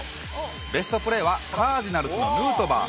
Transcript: ベストプレーはカージナルスのヌートバー。